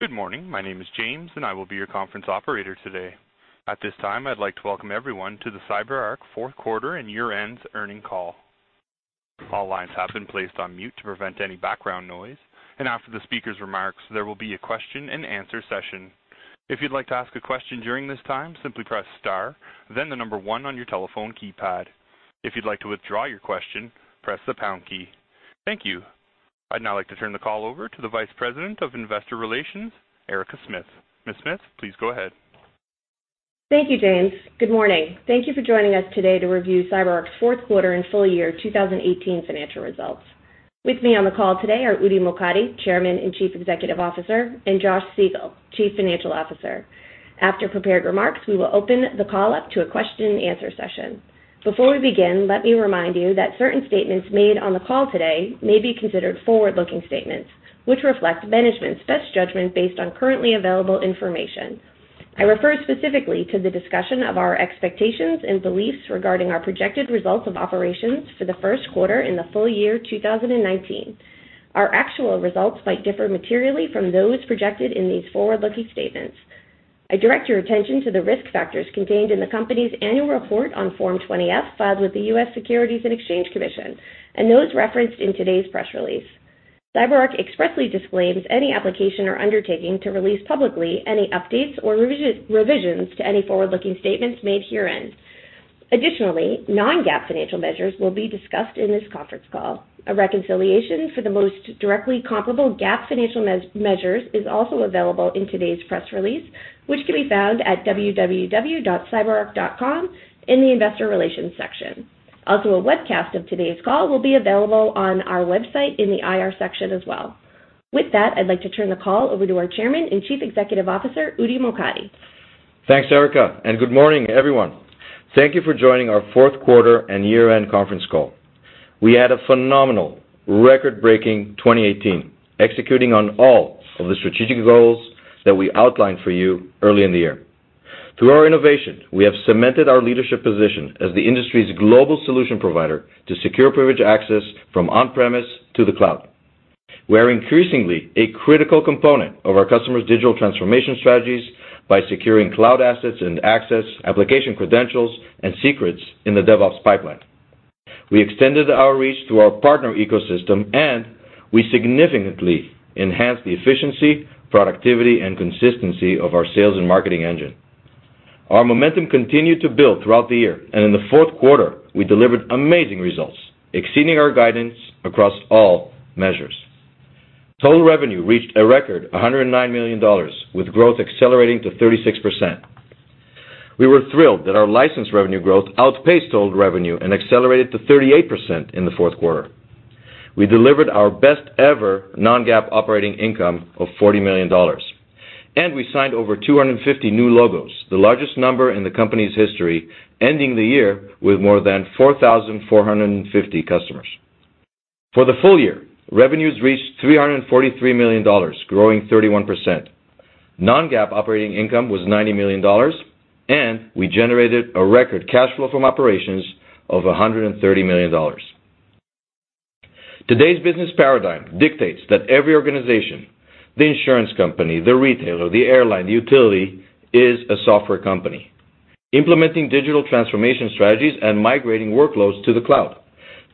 Good morning. My name is James, and I will be your conference operator today. At this time, I'd like to welcome everyone to the CyberArk fourth quarter and year-end earnings call. All lines have been placed on mute to prevent any background noise, and after the speaker's remarks, there will be a question and answer session. If you'd like to ask a question during this time, simply press star, then number one on your telephone keypad. If you'd like to withdraw your question, press the pound key. Thank you. I'd now like to turn the call over to the Vice President of Investor Relations, Erica Smith. Ms. Smith, please go ahead. Thank you, James. Good morning. Thank you for joining us today to review CyberArk's Fourth Quarter and Full Year 2018 Financial Results. With me on the call today are Udi Mokady, Chairman and Chief Executive Officer, and Josh Siegel, Chief Financial Officer. After prepared remarks, we will open the call up to a question and answer session. Before we begin, let me remind you that certain statements made on the call today may be considered forward-looking statements, which reflect management's best judgment based on currently available information. I refer specifically to the discussion of our expectations and beliefs regarding our projected results of operations for the first quarter and the full year 2019. Our actual results might differ materially from those projected in these forward-looking statements. I direct your attention to the risk factors contained in the company's annual report on Form 20-F filed with the U.S. Securities and Exchange Commission, and those referenced in today's press release. CyberArk expressly disclaims any application or undertaking to release publicly any updates or revisions to any forward-looking statements made herein. Additionally, non-GAAP financial measures will be discussed in this conference call. A reconciliation for the most directly comparable GAAP financial measures is also available in today's press release, which can be found at www.cyberark.com in the investor relations section. Also, a webcast of today's call will be available on our website in the IR section as well. With that, I'd like to turn the call over to our Chairman and Chief Executive Officer, Udi Mokady. Thanks, Erica. Good morning, everyone. Thank you for joining our fourth quarter and year-end conference call. We had a phenomenal record-breaking 2018, executing on all of the strategic goals that we outlined for you early in the year. Through our innovation, we have cemented our leadership position as the industry's global solution provider to secure Privileged Access from on-premise to the cloud. We are increasingly a critical component of our customers' digital transformation strategies by securing cloud assets and access, application credentials, and secrets in the DevOps pipeline. We extended our reach to our partner ecosystem, and we significantly enhanced the efficiency, productivity, and consistency of our sales and marketing engine. Our momentum continued to build throughout the year. In the fourth quarter, we delivered amazing results, exceeding our guidance across all measures. Total revenue reached a record $109 million, with growth accelerating to 36%. We were thrilled that our license revenue growth outpaced total revenue and accelerated to 38% in the fourth quarter. We delivered our best ever non-GAAP operating income of $40 million, and we signed over 250 new logos, the largest number in the company's history, ending the year with more than 4,450 customers. For the full year, revenues reached $343 million, growing 31%. Non-GAAP operating income was $90 million, and we generated a record cash flow from operations of $130 million. Today's business paradigm dictates that every organization, the insurance company, the retailer, the airline, the utility, is a software company, implementing digital transformation strategies and migrating workloads to the cloud.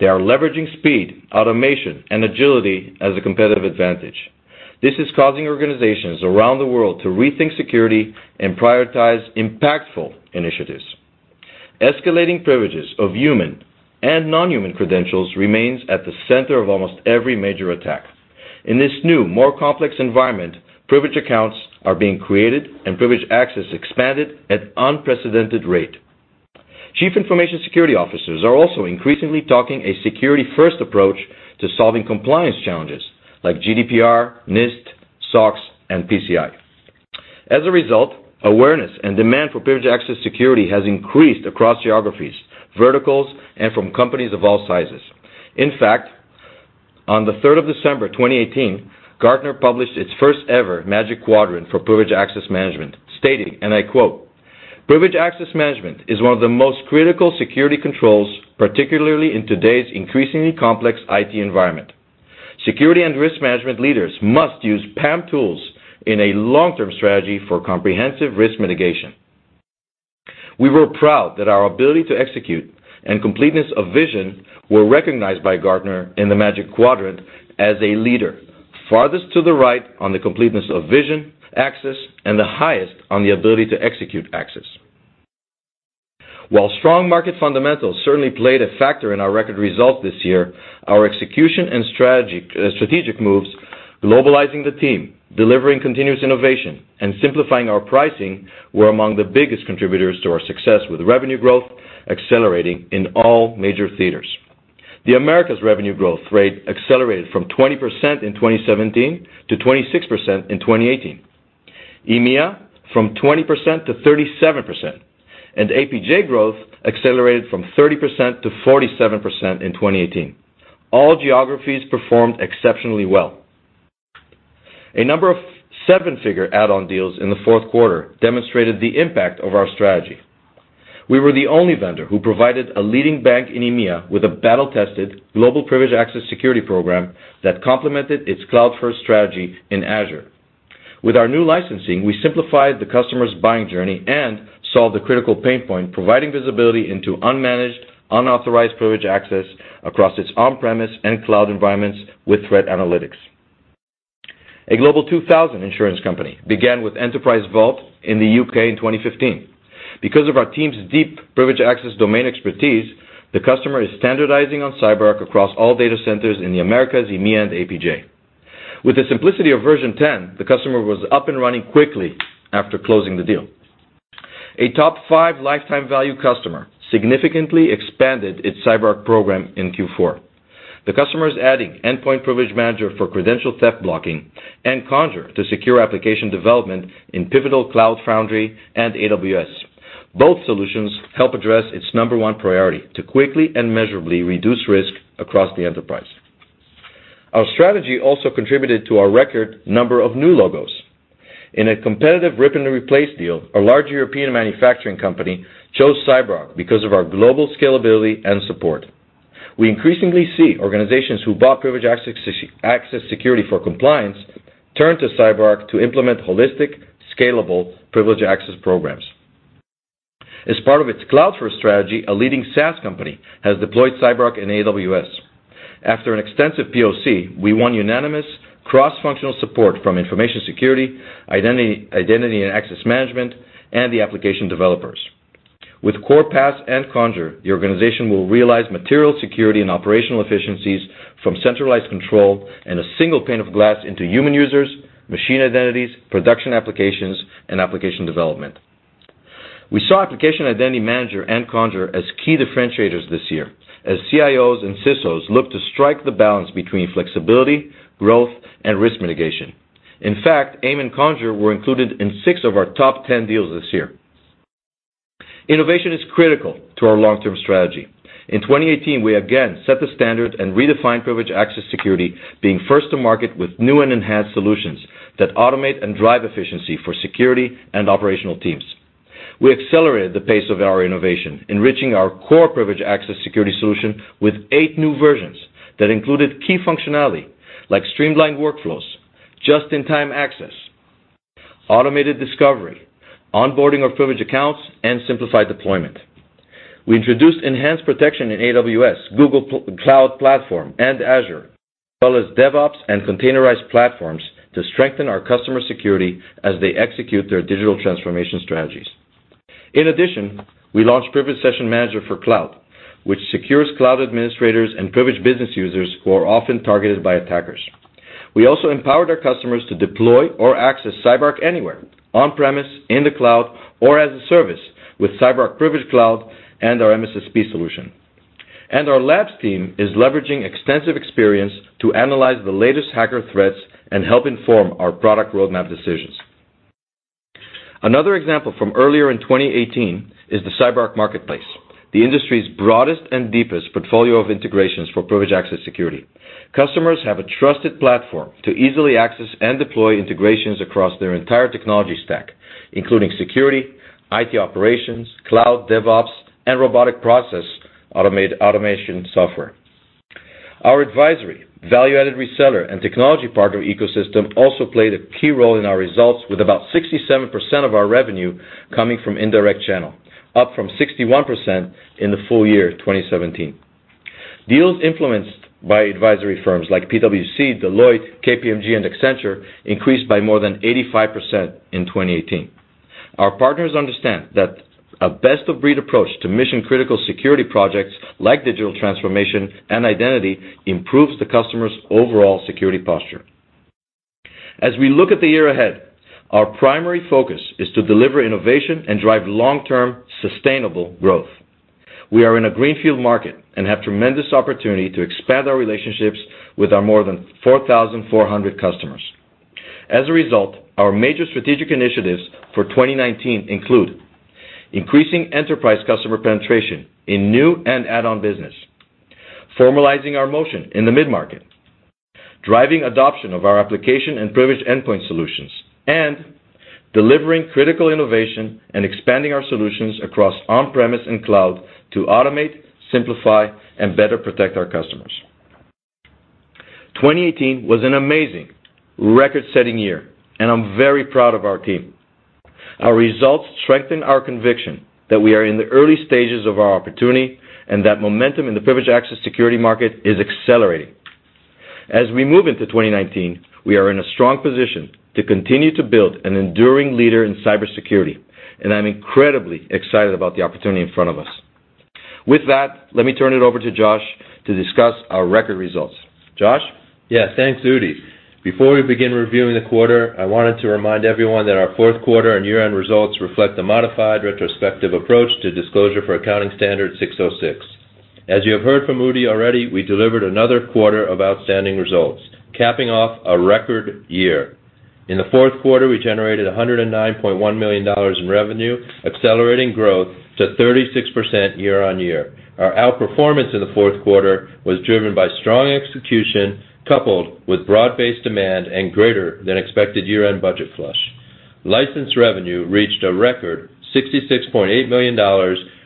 They are leveraging speed, automation, and agility as a competitive advantage. This is causing organizations around the world to rethink security and prioritize impactful initiatives. Escalating privileges of human and non-human credentials remains at the center of almost every major attack. In this new, more complex environment, privileged accounts are being created and Privileged Access expanded at unprecedented rate. Chief information security officers are also increasingly talking a security first approach to solving compliance challenges like GDPR, NIST, SOX, and PCI. As a result, awareness and demand Privileged Access Security has increased across geographies, verticals, and from companies of all sizes. In fact, on the 3rd of December 2018, Gartner published its first ever Magic Quadrant for Privileged Access Management, stating, and I quote: Privileged Access Management is one of the most critical security controls, particularly in today's increasingly complex IT environment. Security and risk management leaders must use PAM tools in a long-term strategy for comprehensive risk mitigation. We were proud that our ability to execute and completeness of vision were recognized by Gartner in the Magic Quadrant as a leader farthest to the right on the completeness of vision axis and the highest on the ability to execute axis. While strong market fundamentals certainly played a factor in our record result this year, our execution and strategic moves, globalizing the team, delivering continuous innovation, and simplifying our pricing were among the biggest contributors to our success with revenue growth accelerating in all major theaters. The Americas revenue growth rate accelerated from 20% in 2017 to 26% in 2018. EMEA from 20% to 37%, and APJ growth accelerated from 30%-47% in 2018. All geographies performed exceptionally well. A number of seven-figure add-on deals in the fourth quarter demonstrated the impact of our strategy. We were the only vendor who provided a leading bank in EMEA with a battle-tested Privileged Access Security program that complemented its cloud-first strategy in Azure. With our new licensing, we simplified the customer's buying journey and solved a critical pain point, providing visibility into unmanaged, unauthorized Privileged Access across its on-premise and cloud environments with threat analytics. A Global 2000 insurance company began with Enterprise Password Vault in the U.K. in 2015. Because of our team's deep Privileged Access domain expertise, the customer is standardizing on CyberArk across all data centers in the Americas, EMEA, and APJ. With the simplicity of version 10, the customer was up and running quickly after closing the deal. A top five lifetime value customer significantly expanded its CyberArk program in Q4. The customer is adding Endpoint Privilege Manager for credential theft blocking and Conjur to secure application development in Pivotal, Cloud Foundry, and AWS. Both solutions help address its number one priority, to quickly and measurably reduce risk across the enterprise. Our strategy also contributed to our record number of new logos. In a competitive rip and replace deal, a large European manufacturing company chose CyberArk because of our global scalability and support. We increasingly see organizations who Privileged Access Security for compliance turn to CyberArk to implement holistic, scalable Privileged Access programs. As part of its cloud-first strategy, a leading SaaS company has deployed CyberArk in AWS. After an extensive POC, we won unanimous cross-functional support from information security, identity and access management, and the application developers. With Core PAS and Conjur, the organization will realize material security and operational efficiencies from centralized control and a single pane of glass into human users, machine identities, production applications, and application development. We saw Application Identity Manager and Conjur as key differentiators this year as CIOs and CISOs look to strike the balance between flexibility, growth, and risk mitigation. In fact, AIM and Conjur were included in six of our top 10 deals this year. Innovation is critical to our long-term strategy. In 2018, we again set the standard and Privileged Access Security being first to market with new and enhanced solutions that automate and drive efficiency for security and operational teams. We accelerated the pace of our innovation, enriching our Privileged Access Security solution with eight new versions that included key functionality like streamlined workflows, just-in-time access, automated discovery, onboarding of privileged accounts, and simplified deployment. We introduced enhanced protection in AWS, Google Cloud Platform, and Azure, as well as DevOps and containerized platforms to strengthen our customer security as they execute their digital transformation strategies. In addition, we launched Privileged Session Manager for Cloud, which secures cloud administrators and privileged business users who are often targeted by attackers. We also empowered our customers to deploy or access CyberArk anywhere on-premise, in the cloud, or as a service with CyberArk Privilege Cloud and our MSSP solution. Our labs team is leveraging extensive experience to analyze the latest hacker threats and help inform our product roadmap decisions. Another example from earlier in 2018 is the CyberArk Marketplace, the industry's broadest and deepest portfolio of integrations Privileged Access Security. customers have a trusted platform to easily access and deploy integrations across their entire technology stack, including security, IT operations, cloud, DevOps, and robotic process automation software. Our advisory value-added reseller and technology partner ecosystem also played a key role in our results with about 67% of our revenue coming from indirect channel, up from 61% in the full year 2017. Deals influenced by advisory firms like PwC, Deloitte, KPMG, and Accenture increased by more than 85% in 2018. Our partners understand that a best-of-breed approach to mission-critical security projects like digital transformation and identity improves the customer's overall security posture. As we look at the year ahead, our primary focus is to deliver innovation and drive long-term sustainable growth. We are in a greenfield market and have tremendous opportunity to expand our relationships with our more than 4,400 customers. As a result, our major strategic initiatives for 2019 include increasing enterprise customer penetration in new and add-on business, formalizing our motion in the mid-market, driving adoption of our application and privileged endpoint solutions, and delivering critical innovation and expanding our solutions across on-premise and cloud to automate, simplify, and better protect our customers. 2018 was an amazing record-setting year, and I'm very proud of our team. Our results strengthen our conviction that we are in the early stages of our opportunity and that momentum in Privileged Access Security market is accelerating. As we move into 2019, we are in a strong position to continue to build an enduring leader in cybersecurity, and I'm incredibly excited about the opportunity in front of us. With that, let me turn it over to Josh to discuss our record results. Josh? Thanks, Udi. Before we begin reviewing the quarter, I wanted to remind everyone that our fourth quarter and year-end results reflect the modified retrospective approach to disclosure for accounting standard 606. As you have heard from Udi already, we delivered another quarter of outstanding results, capping off a record year. In the fourth quarter, we generated $109.1 million in revenue, accelerating growth to 36% year-on-year. Our outperformance in the fourth quarter was driven by strong execution coupled with broad-based demand and greater than expected year-end budget flush. License revenue reached a record $66.8 million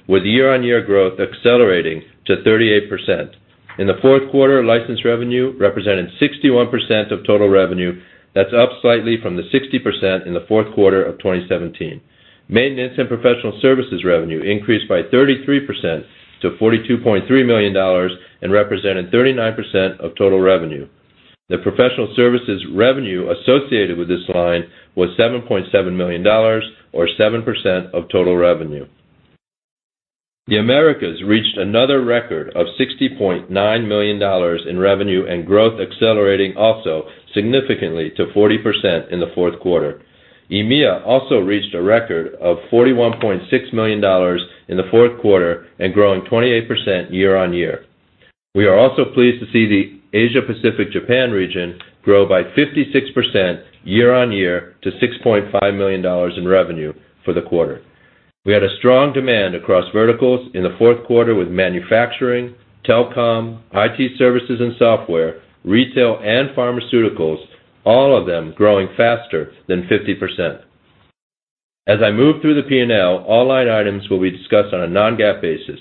with year-on-year growth accelerating to 38%. In the fourth quarter, license revenue represented 61% of total revenue. That's up slightly from the 60% in the fourth quarter of 2017. Maintenance and professional services revenue increased by 33% to $42.3 million and represented 39% of total revenue. The professional services revenue associated with this line was $7.7 million or 7% of total revenue. The Americas reached another record of $60.9 million in revenue, and growth accelerating also significantly to 40% in the fourth quarter. EMEA also reached a record of $41.6 million in the fourth quarter and growing 28% year-on-year. We are also pleased to see the Asia Pacific Japan region grow by 56% year-on-year to $6.5 million in revenue for the quarter. We had a strong demand across verticals in the fourth quarter with manufacturing, telecom, IT services and software, retail, and pharmaceuticals, all of them growing faster than 50%. As I move through the P&L, all line items will be discussed on a non-GAAP basis.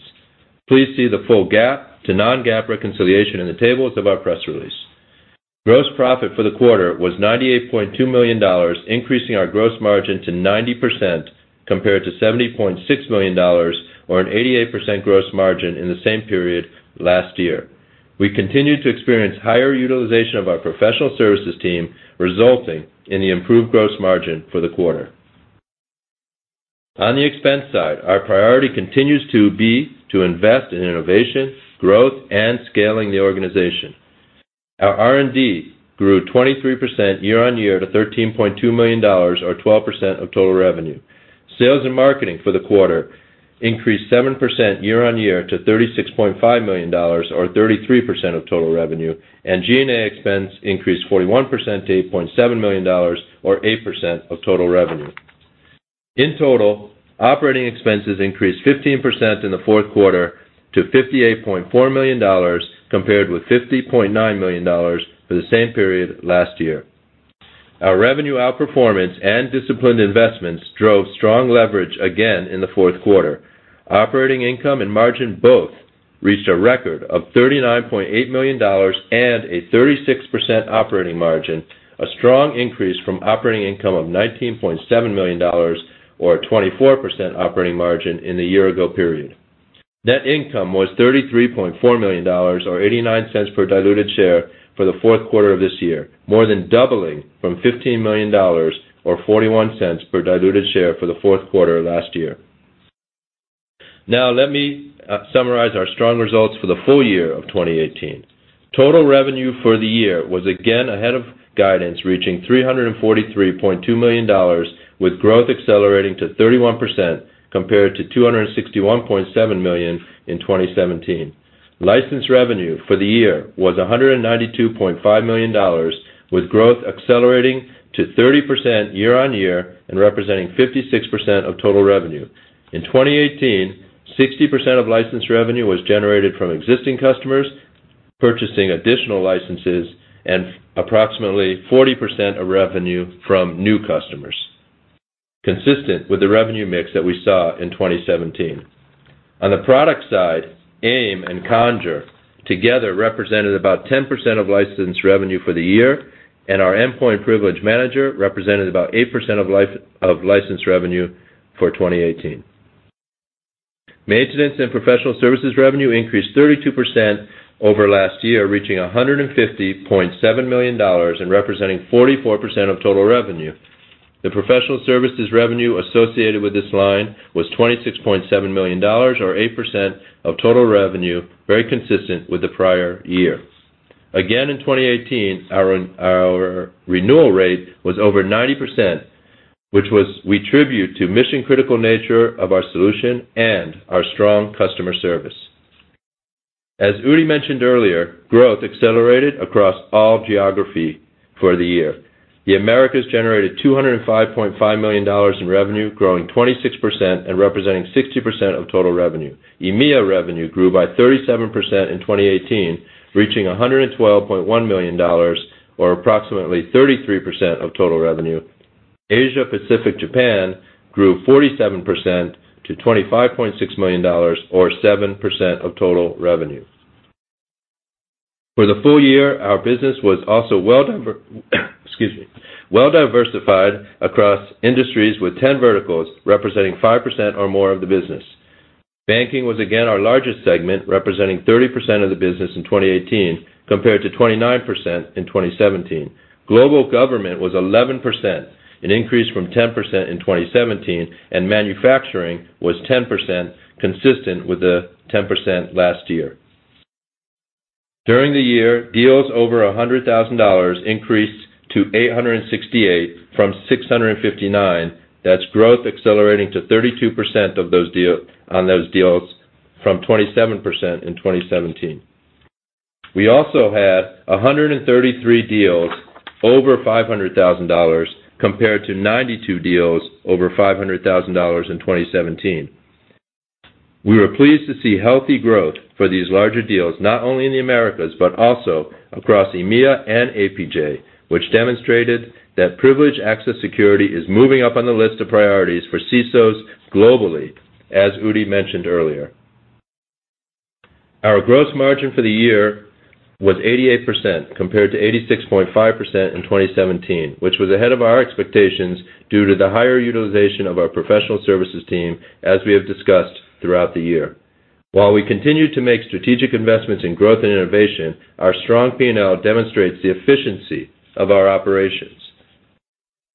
Please see the full GAAP to non-GAAP reconciliation in the tables of our press release. Gross profit for the quarter was $98.2 million, increasing our gross margin to 90%, compared to $70.6 million or an 88% gross margin in the same period last year. We continue to experience higher utilization of our professional services team, resulting in the improved gross margin for the quarter. On the expense side, our priority continues to be to invest in innovation, growth, and scaling the organization. Our R&D grew 23% year-on-year to $13.2 million or 12% of total revenue. Sales and marketing for the quarter increased 7% year-on-year to $36.5 million or 33% of total revenue. G&A expense increased 41% to $8.7 million or 8% of total revenue. In total, operating expenses increased 15% in the fourth quarter to $58.4 million, compared with $50.9 million for the same period last year. Our revenue outperformance and disciplined investments drove strong leverage again in the fourth quarter. Operating income and margin both reached a record of $39.8 million and a 36% operating margin, a strong increase from operating income of $19.7 million or a 24% operating margin in the year-ago period. Net income was $33.4 million or $0.89 per diluted share for the fourth quarter of this year, more than doubling from $15 million or $0.41 per diluted share for the fourth quarter of last year. Let me summarize our strong results for the full year of 2018. Total revenue for the year was again ahead of guidance, reaching $343.2 million, with growth accelerating to 31% compared to $261.7 million in 2017. License revenue for the year was $192.5 million, with growth accelerating to 30% year-on-year and representing 56% of total revenue. In 2018, 60% of license revenue was generated from existing customers purchasing additional licenses and approximately 40% of revenue from new customers, consistent with the revenue mix that we saw in 2017. On the product side, AIM and Conjur together represented about 10% of license revenue for the year, and our Endpoint Privilege Manager represented about 8% of license revenue for 2018. Maintenance and professional services revenue increased 32% over last year, reaching $150.7 million and representing 44% of total revenue. The professional services revenue associated with this line was $26.7 million or 8% of total revenue, very consistent with the prior year. Again, in 2018, our renewal rate was over 90%, which we attribute to mission-critical nature of our solution and our strong customer service. As Udi mentioned earlier, growth accelerated across all geographies for the year. The Americas generated $205.5 million in revenue, growing 26% and representing 60% of total revenue. EMEA revenue grew by 37% in 2018, reaching $112.1 million or approximately 33% of total revenue. Asia Pacific Japan grew 47% to $25.6 million or 7% of total revenue. For the full year, our business was also well diversified across industries with 10 verticals representing 5% or more of the business. Banking was again our largest segment, representing 30% of the business in 2018 compared to 29% in 2017. Global government was 11%, an increase from 10% in 2017, and manufacturing was 10%, consistent with the 10% last year. During the year, deals over $100,000 increased to 868 from 659. That's growth accelerating to 32% on those deals from 27% in 2017. We also had 133 deals over $500,000 compared to 92 deals over $500,000 in 2017. We were pleased to see healthy growth for these larger deals, not only in the Americas, but also across EMEA and APJ, which demonstrated Privileged Access Security is moving up on the list of priorities for CISOs globally, as Udi mentioned earlier. Our gross margin for the year was 88%, compared to 86.5% in 2017, which was ahead of our expectations due to the higher utilization of our professional services team, as we have discussed throughout the year. While we continue to make strategic investments in growth and innovation, our strong P&L demonstrates the efficiency of our operations.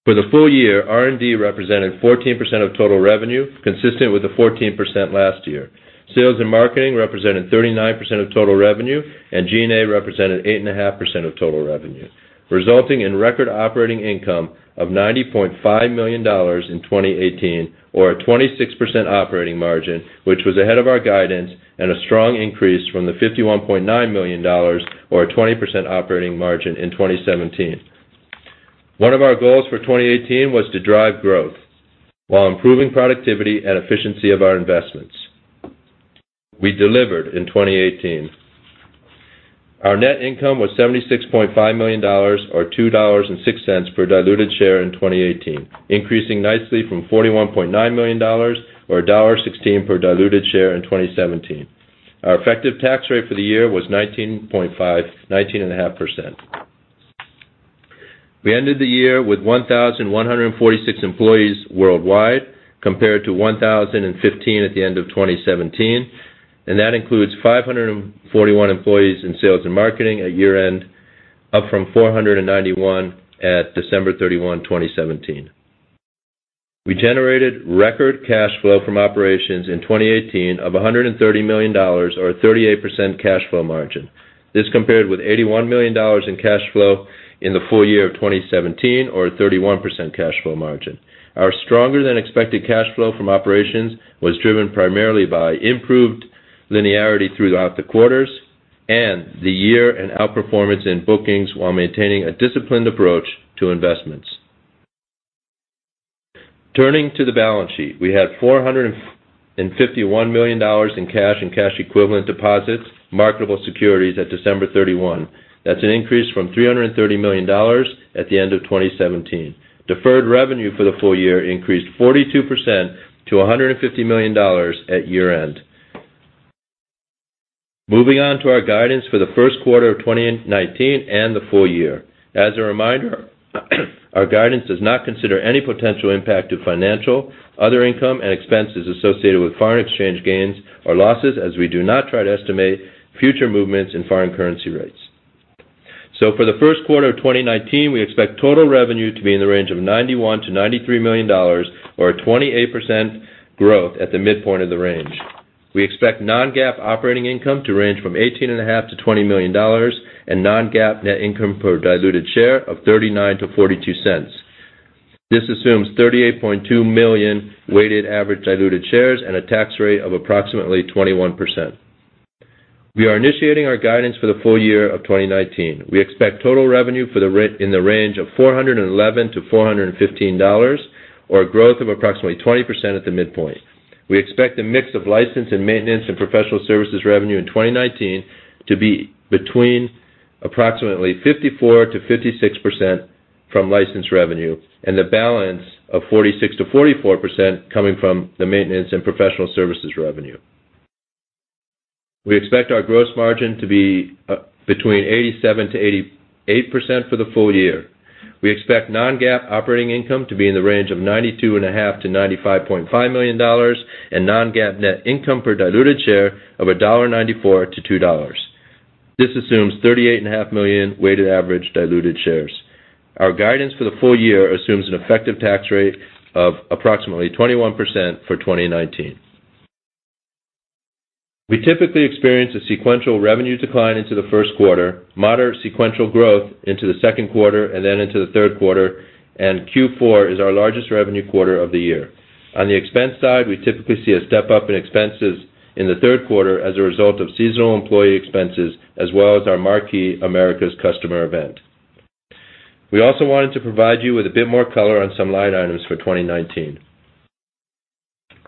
For the full year, R&D represented 14% of total revenue, consistent with the 14% last year. Sales and marketing represented 39% of total revenue, and G&A represented 8.5% of total revenue, resulting in record operating income of $90.5 million in 2018 or a 26% operating margin, which was ahead of our guidance and a strong increase from the $51.9 million or a 20% operating margin in 2017. One of our goals for 2018 was to drive growth while improving productivity and efficiency of our investments. We delivered in 2018. Our net income was $76.5 million, or $2.06 per diluted share in 2018, increasing nicely from $41.9 million or $1.16 per diluted share in 2017. Our effective tax rate for the year was 19.5%. We ended the year with 1,146 employees worldwide, compared to 1,015 at the end of 2017, and that includes 541 employees in sales and marketing at year-end, up from 491 at December 31, 2017. We generated record cash flow from operations in 2018 of $130 million or a 38% cash flow margin. This compared with $81 million in cash flow in the full year of 2017 or a 31% cash flow margin. Our stronger than expected cash flow from operations was driven primarily by improved linearity throughout the quarters and the year and outperformance in bookings while maintaining a disciplined approach to investments. Turning to the balance sheet, we had $451 million in cash and cash-equivalent deposits, marketable securities at December 31. That's an increase from $330 million at the end of 2017. Deferred revenue for the full year increased 42% to $150 million at year-end. Moving on to our guidance for the first quarter of 2019 and the full year. As a reminder, our guidance does not consider any potential impact of financial, other income, and expenses associated with foreign exchange gains or losses, as we do not try to estimate future movements in foreign currency rates. For the first quarter of 2019, we expect total revenue to be in the range of $91 million-$93 million, or a 28% growth at the midpoint of the range. We expect non-GAAP operating income to range from $18.5 million-$20 million and non-GAAP net income per diluted share of $0.39-$0.42. This assumes 38.2 million weighted average diluted shares and a tax rate of approximately 21%. We are initiating our guidance for the full year of 2019. We expect total revenue in the range of $411 million-$415 million, or a growth of approximately 20% at the midpoint. We expect the mix of license and maintenance and professional services revenue in 2019 to be between approximately 54%-56% from license revenue, and the balance of 46%-44% coming from the maintenance and professional services revenue. We expect our gross margin to be between 87%-88% for the full year. We expect non-GAAP operating income to be in the range of $92.5 million-$95.5 million and non-GAAP net income per diluted share of $1.94-$2.00. This assumes 38.5 million weighted average diluted shares. Our guidance for the full year assumes an effective tax rate of approximately 21% for 2019. We typically experience a sequential revenue decline into the first quarter, moderate sequential growth into the second quarter, and then into the third quarter. Q4 is our largest revenue quarter of the year. On the expense side, we typically see a step-up in expenses in the third quarter as a result of seasonal employee expenses, as well as our marquee Americas customer event. We also wanted to provide you with a bit more color on some line items for 2019.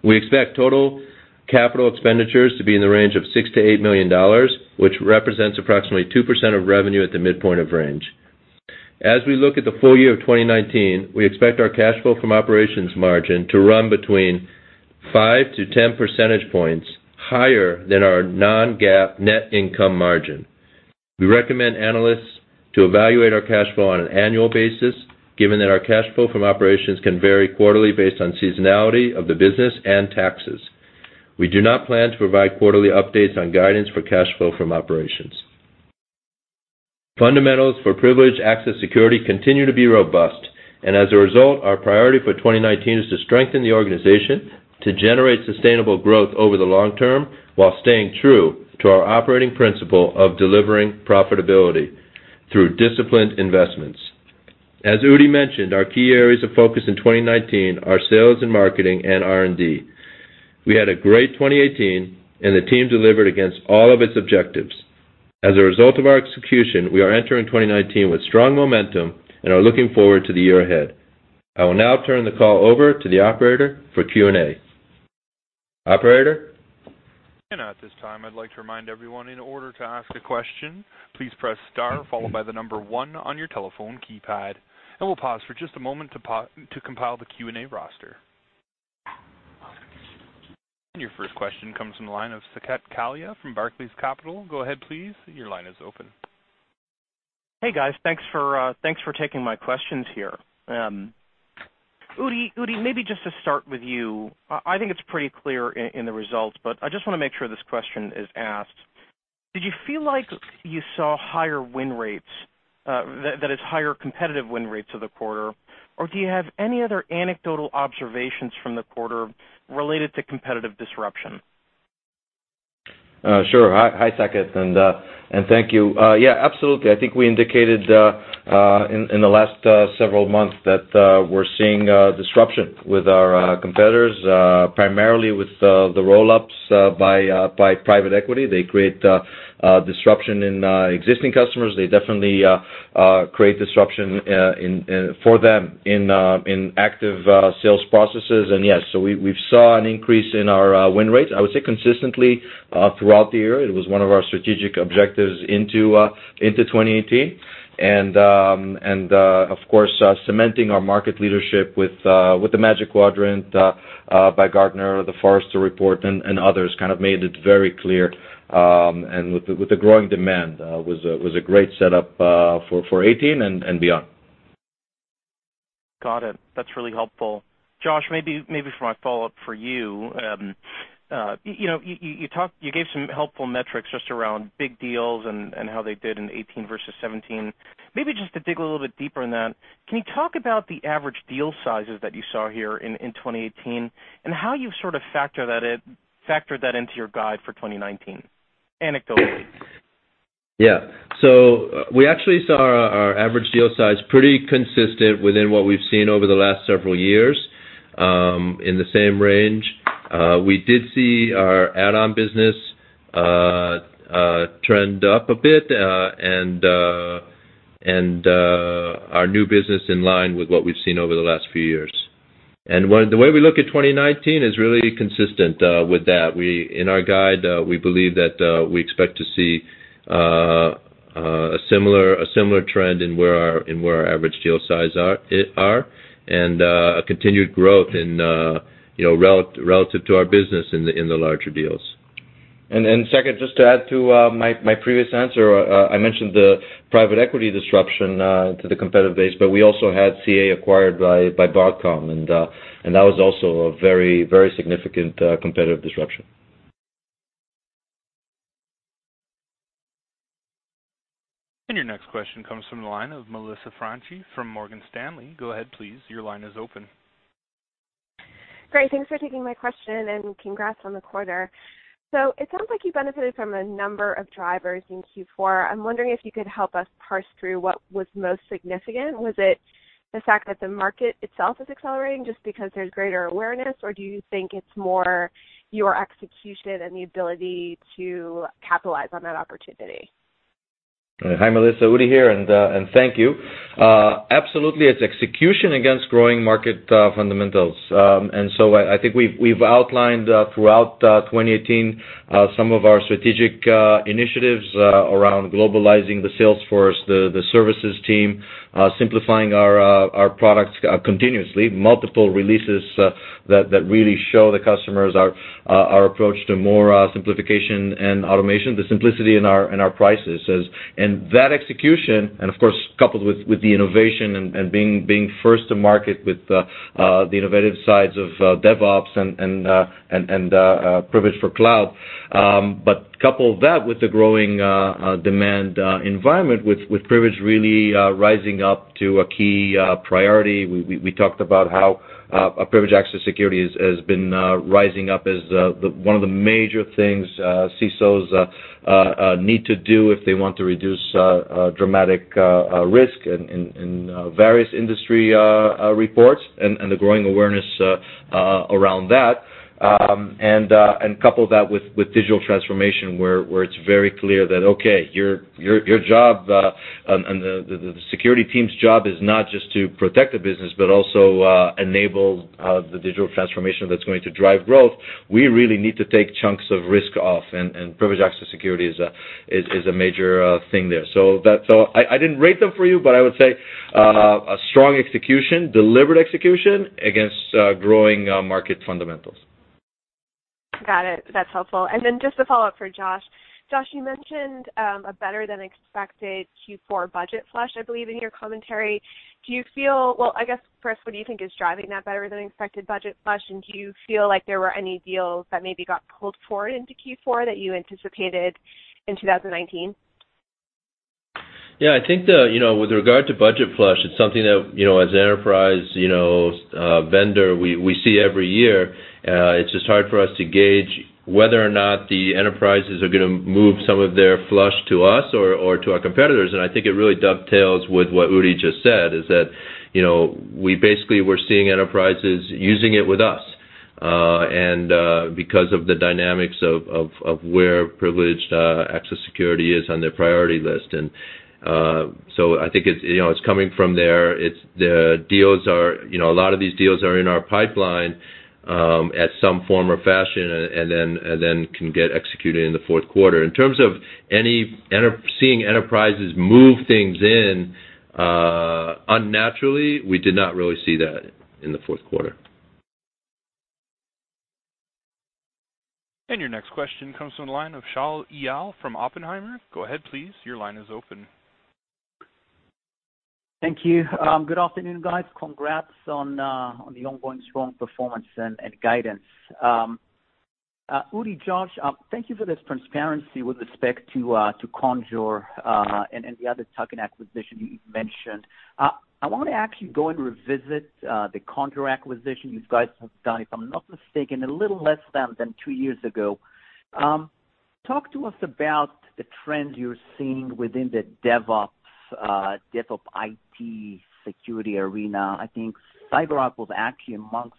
We expect total capital expenditures to be in the range of $6 million to $8 million, which represents approximately 2% of revenue at the midpoint of range. As we look at the full year of 2019, we expect our cash flow from operations margin to run between 5-10 percentage points higher than our non-GAAP net income margin. We recommend analysts to evaluate our cash flow on an annual basis, given that our cash flow from operations can vary quarterly based on seasonality of the business and taxes. We do not plan to provide quarterly updates on guidance for cash flow from operations. Fundamentals Privileged Access Security continue to be robust. As a result, our priority for 2019 is to strengthen the organization to generate sustainable growth over the long term while staying true to our operating principle of delivering profitability through disciplined investments. As Udi mentioned, our key areas of focus in 2019 are sales and marketing and R&D. We had a great 2018. The team delivered against all of its objectives. As a result of our execution, we are entering 2019 with strong momentum and are looking forward to the year ahead. I will now turn the call over to the operator for Q&A. Operator? At this time, I'd like to remind everyone, in order to ask a question, please press star followed by the number one on your telephone keypad. We'll pause for just a moment to compile the Q&A roster. Your first question comes from the line of Saket Kalia from Barclays Capital. Go ahead, please. Your line is open. Hey, guys. Thanks for taking my questions here. Udi, maybe just to start with you, I think it's pretty clear in the results, but I just want to make sure this question is asked. Did you feel like you saw higher win rates, that is higher competitive win rates of the quarter, or do you have any other anecdotal observations from the quarter related to competitive disruption? Sure. Hi, Saket, and thank you. Absolutely. I think we're seeing disruption with our competitors, primarily with the roll-ups by private equity. They create disruption in existing customers. They definitely create disruption for them in active sales processes. Yes, we saw an increase in our win rates, I would say consistently throughout the year. It was one of our strategic objectives into 2018. Of course, cementing our market leadership with the Magic Quadrant by Gartner, the Forrester report, and others kind of made it very clear. With the growing demand, was a great setup for 2018 and beyond. Got it. That's really helpful. Josh, maybe for my follow-up for you. You gave some helpful metrics just around big deals and how they did in 2018 versus 2017. Maybe just to dig a little bit deeper in that, can you talk about the average deal sizes that you saw here in 2018, and how you've sort of factored that into your guide for 2019, anecdotally? We actually saw our average deal size pretty consistent within what we've seen over the last several years, in the same range. We did see our add-on business trend up a bit, and our new business in line with what we've seen over the last few years. The way we look at 2019 is really consistent with that. In our guide, we believe that we expect to see a similar trend in where our average deal size are, and a continued growth relative to our business in the larger deals. Saket, just to add to my previous answer, I mentioned the private equity disruption to the competitive base, but we also had CA acquired by Broadcom, and that was also a very significant competitive disruption. Your next question comes from the line of Melissa Franchi from Morgan Stanley. Go ahead, please. Your line is open. Great. Thanks for taking my question, and congrats on the quarter. It sounds like you benefited from a number of drivers in Q4. I'm wondering if you could help us parse through what was most significant. Was it the fact that the market itself is accelerating just because there's greater awareness, or do you think it's more your execution and the ability to capitalize on that opportunity? Hi, Melissa, Udi here, thank you. Absolutely, it's execution against growing market fundamentals. I think we've outlined throughout 2018 some of our strategic initiatives around globalizing the sales force, the services team, simplifying our products continuously. Multiple releases that really show the customers our approach to more simplification and automation, the simplicity in our prices. That execution, and of course, coupled with the innovation and being first to market with the innovative sides of DevOps and Privilege for Cloud. Couple that with the growing demand environment with privilege really rising up to a key priority. We talked about Privileged Access Security has been rising up as one of the major things CISOs need to do if they want to reduce dramatic risk in various industry reports and the growing awareness around that. Couple that with digital transformation, where it's very clear that, okay, your job and the security team's job is not just to protect the business, but also enable the digital transformation that's going to drive growth. We really need to take chunks of risk off, Privileged Access Security is a major thing there. I didn't rate them for you, but I would say a strong execution, deliberate execution against growing market fundamentals. Got it. That's helpful. Then just a follow-up for Josh. Josh, you mentioned a better-than-expected Q4 budget flush, I believe, in your commentary. I guess first, what do you think is driving that better-than-expected budget flush? Do you feel like there were any deals that maybe got pulled forward into Q4 that you anticipated in 2019? I think with regard to budget flush, it's something that as an enterprise vendor, we see every year. It's just hard for us to gauge whether or not the enterprises are going to move some of their flush to us or to our competitors. I think it really dovetails with what Udi just said, is that, you know, we basically we're seeing enterprises using it with us. Because of the dynamics of Privileged Access Security is on their priority list. I think it's coming from there. A lot of these deals are in our pipeline, at some form or fashion, then can get executed in the fourth quarter. In terms of seeing enterprises move things in unnaturally, we did not really see that in the fourth quarter. Your next question comes from the line of Shaul Eyal from Oppenheimer. Go ahead, please. Your line is open. Thank you. Good afternoon, guys. Congrats on the ongoing strong performance and guidance. Udi, Josh, thank you for this transparency with respect to Conjur, and the other tuck-in acquisition you mentioned. I want to actually go and revisit the Conjur acquisition you guys have done, if I'm not mistaken, a little less than two years ago. Talk to us about the trends you're seeing within the DevOps IT security arena. I think CyberArk was actually amongst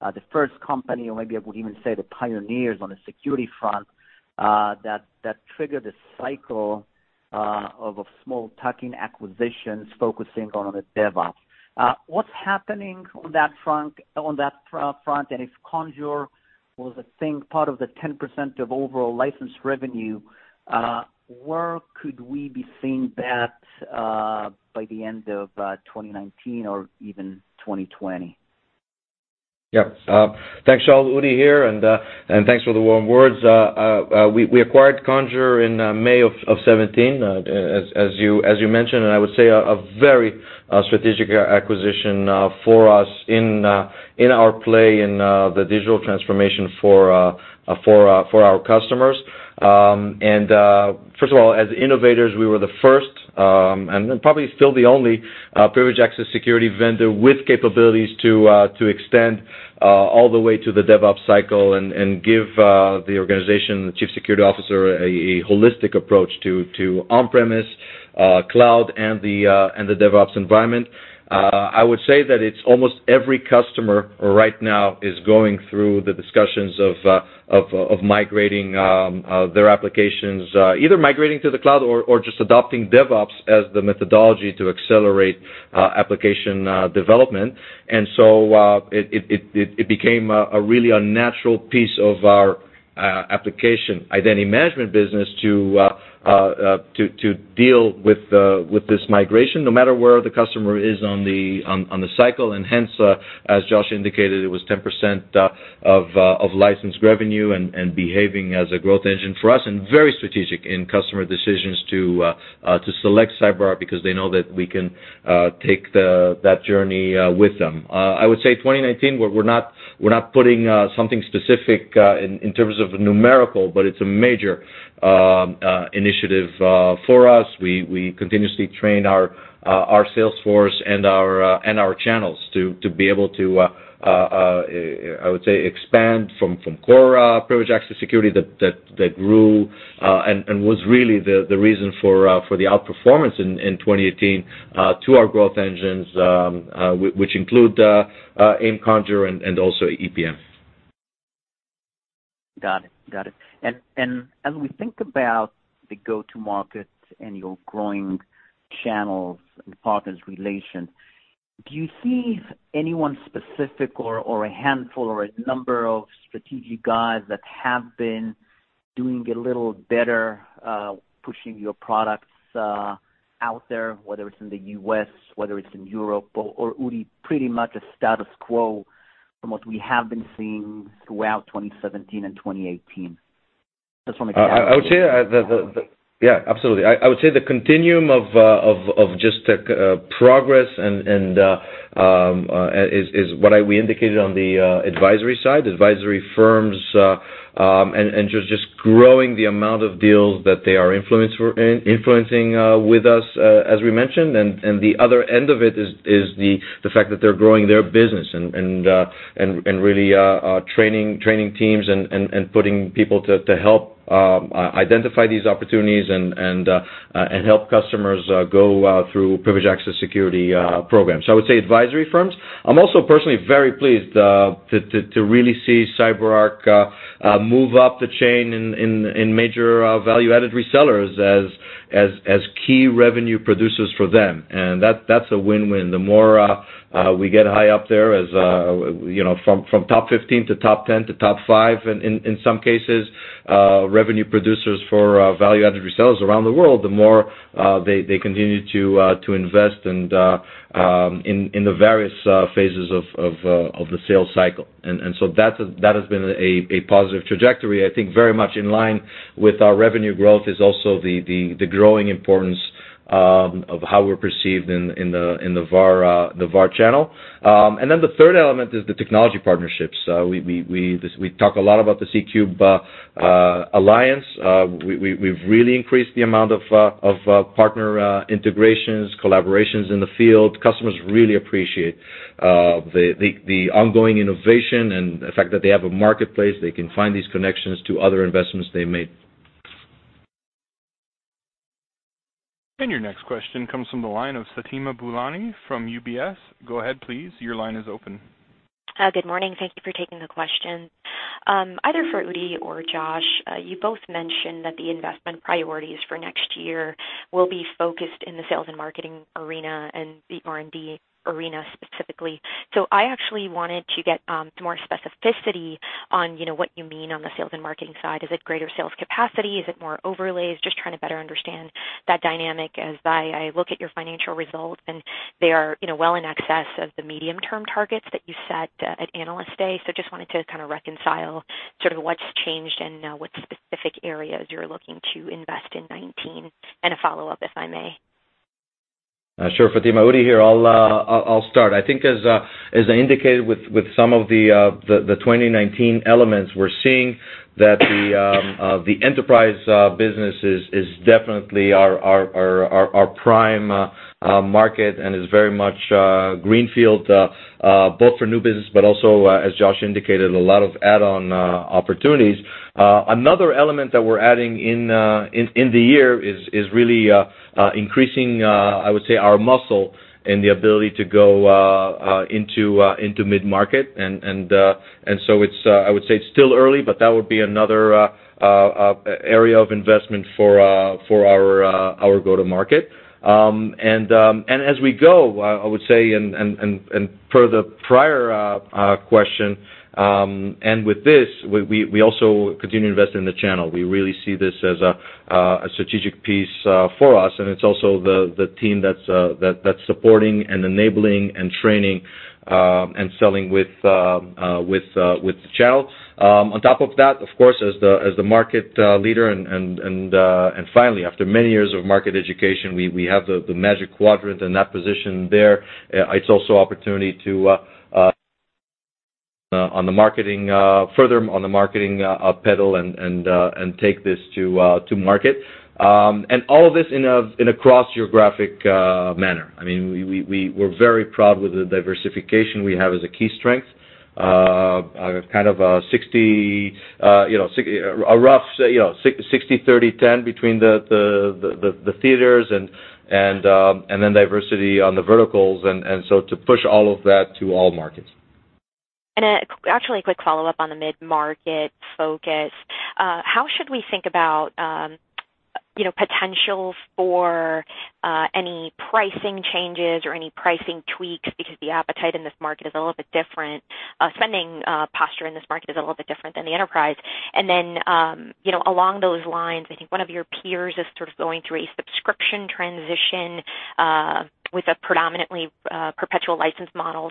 the first company or maybe I would even say the pioneers on the security front that triggered the cycle of a small tuck-in acquisitions focusing on the DevOps. What's happening on that front, if Conjur was, I think, part of the 10% of overall licensed revenue, where could we be seeing that by the end of 2019 or even 2020? Yeah. Thanks, Shaul. Udi here. Thanks for the warm words. We acquired Conjur in May of 2017, as you mentioned. I would say a very strategic acquisition for us in our play in the digital transformation for our customers. First of all, as innovators, we were the first, and probably still the Privileged Access Security vendor with capabilities to extend all the way to the DevOps cycle and give the organization, the chief security officer, a holistic approach to on-premise, cloud, and the DevOps environment. I would say that it's almost every customer right now is going through the discussions of migrating their applications, either migrating to the cloud or just adopting DevOps as the methodology to accelerate application development. It became a really unnatural piece of our Application Identity Management business to deal with this migration no matter where the customer is on the cycle. Hence, as Josh indicated, it was 10% of licensed revenue and behaving as a growth engine for us, and very strategic in customer decisions to select CyberArk because they know that we can take that journey with them. I would say 2019, we're not putting something specific in terms of numerical, but it's a major initiative for us. We continuously train our sales force and our channels to be able to, I would say, expand from Privileged Access Security that grew, and was really the reason for the outperformance in 2018 to our growth engines, which include AIM Conjur and also EPM. Got it. As we think about the go-to-markets and your growing channels and partners relation, do you see anyone specific or a handful or a number of strategic guys that have been doing a little better pushing your products out there, whether it's in the U.S., whether it's in Europe, or Udi, pretty much a status quo from what we have been seeing throughout 2017 and 2018? Just want to clarify. Yeah, absolutely. I would say the continuum of just progress is what we indicated on the advisory side, advisory firms, just growing the amount of deals that they are influencing with us, as we mentioned. The other end of it is the fact that they're growing their business and really are training teams and putting people to help identify these opportunities and help customers go Privileged Access Security programs. I would say advisory firms. I'm also personally very pleased to really see CyberArk move up the chain in major value-added resellers as key revenue producers for them. That's a win-win. The more we get high up there from top 15 to top 10 to top five in some cases, revenue producers for value-added resellers around the world, the more they continue to invest in the various phases of the sales cycle. That has been a positive trajectory, I think very much in line with our revenue growth is also the growing importance of how we're perceived in the VAR channel. The third element is the technology partnerships. We talk a lot about the C3 Alliance. We've really increased the amount of partner integrations, collaborations in the field. Customers really appreciate the ongoing innovation and the fact that they have a marketplace, they can find these connections to other investments they made. Your next question comes from the line of Fatima Boolani from UBS. Go ahead please. Your line is open. Good morning. Thank you for taking the question. Either for Udi or Josh, you both mentioned that the investment priorities for next year will be focused in the sales and marketing arena and the R&D arena specifically. I actually wanted to get more specificity on what you mean on the sales and marketing side. Is it greater sales capacity? Is it more overlays? Just trying to better understand that dynamic as I look at your financial results, they are well in excess of the medium-term targets that you set at Analyst Day. Just wanted to reconcile what's changed and what specific areas you're looking to invest in 2019, a follow-up, if I may. Sure, Fatima. Udi here. I'll start. I think as I indicated with some of the 2019 elements, we're seeing that the enterprise business is definitely our prime market and is very much greenfield both for new business, but also, as Josh indicated, a lot of add-on opportunities. Another element that we're adding in the year is really increasing, I would say, our muscle and the ability to go into mid-market. I would say it's still early, but that would be another area of investment for our go-to market. As we go, I would say, and per the prior question, with this, we also continue to invest in the channel. We really see this as a strategic piece for us, and it's also the team that's supporting and enabling and training and selling with the channel. On top of that, of course, as the market leader and finally, after many years of market education, we have the Magic Quadrant and that position there. It's also opportunity to further on the marketing pedal and take this to market. All of this in a cross-geographic manner. We're very proud with the diversification we have as a key strength, a rough 60/30/10 between the theaters and then diversity on the verticals, to push all of that to all markets. Actually a quick follow-up on the mid-market focus. How should we think about potential for any pricing changes or any pricing tweaks? Because the appetite in this market is a little bit different. Spending posture in this market is a little bit different than the enterprise. Then along those lines, I think one of your peers is going through a subscription transition with a predominantly perpetual license model.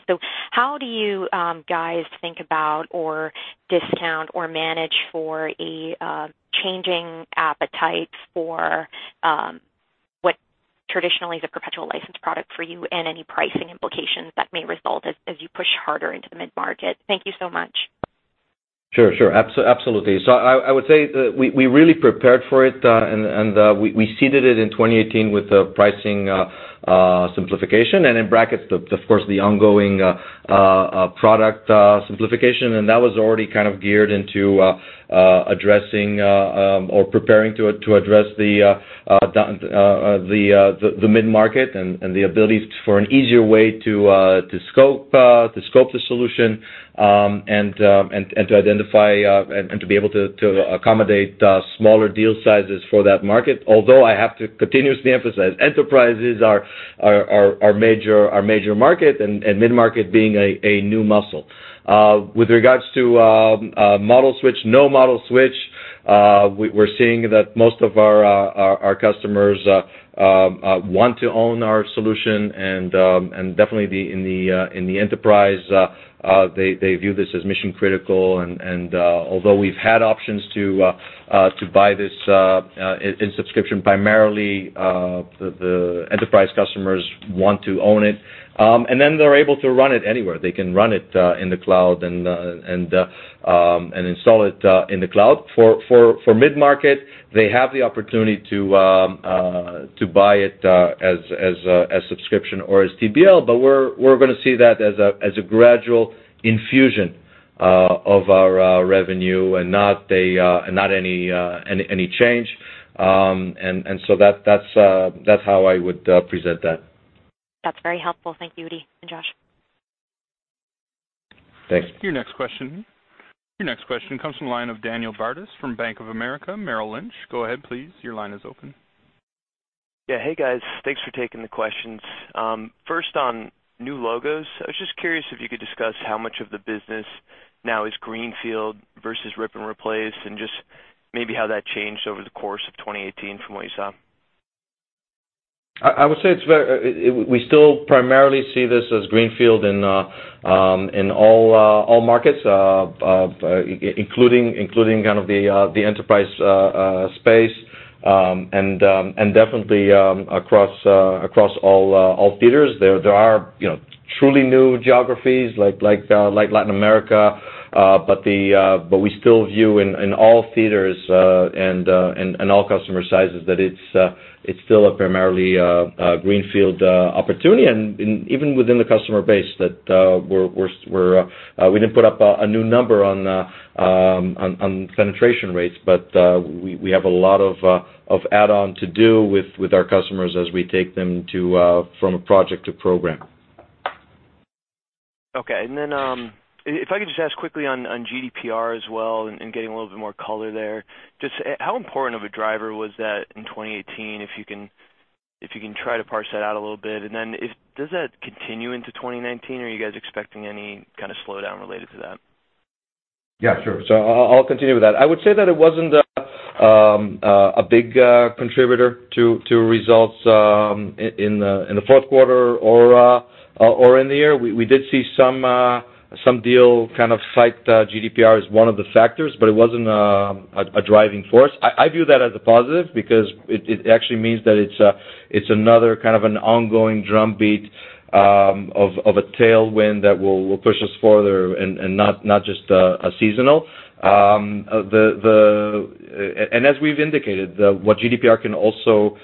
How do you guys think about or discount or manage for a changing appetite for what traditionally is a perpetual license product for you and any pricing implications that may result as you push harder into the mid-market? Thank you so much. Sure. Absolutely. I would say that we really prepared for it, and we seeded it in 2018 with the pricing simplification and in brackets, of course, the ongoing product simplification. That was already geared into addressing or preparing to address the mid-market and the ability for an easier way to scope the solution and to identify and to be able to accommodate smaller deal sizes for that market. Although I have to continuously emphasize, enterprises are our major market and mid-market being a new muscle. With regards to model switch, no model switch, we're seeing that most of our customers want to own our solution and definitely in the enterprise, they view this as mission-critical. Although we've had options to buy this in subscription, primarily the enterprise customers want to own it. Then they're able to run it anywhere. They can run it in the cloud and install it in the cloud. For mid-market, they have the opportunity to buy it as subscription or as TBL, we're going to see that as a gradual infusion of our revenue and not any change. That's how I would present that. That's very helpful. Thank you, Udi and Josh. Thanks. Your next question comes from the line of Daniel Bartus from Bank of America Merrill Lynch. Go ahead please. Your line is open. Hey, guys. Thanks for taking the questions. First on new logos, I was just curious if you could discuss how much of the business now is greenfield versus rip and replace, just maybe how that changed over the course of 2018 from what you saw? I would say we still primarily see this as greenfield in all markets, including the enterprise space, definitely across all theaters. There are truly new geographies like Latin America, but we still view in all theaters and all customer sizes that it's still a primarily greenfield opportunity. Even within the customer base that we didn't put up a new number on penetration rates, but we have a lot of add-on to do with our customers as we take them from a project to program. Okay. Then if I could just ask quickly on GDPR as well, getting a little bit more color there. How important of a driver was that in 2018, if you can try to parse that out a little bit, does that continue into 2019 or are you guys expecting any kind of slowdown related to that? Yeah, sure. I'll continue with that. I would say that it wasn't a big contributor to results in the fourth quarter or in the year. We did see some deal kind of cite GDPR as one of the factors, but it wasn't a driving force. I view that as a positive because it actually means that it's another kind of an ongoing drumbeat of a tailwind that will push us further and not just seasonal. As we've indicated, what GDPR can also